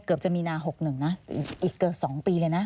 จะมีนา๖๑นะอีกเกือบ๒ปีเลยนะ